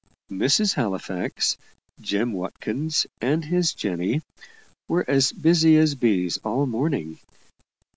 Mrs. Halifax, Jem Watkins, and his Jenny, were as busy as bees all morning.